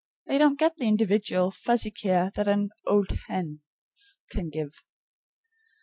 They don't get the individual, fussy care that only an old hen can give.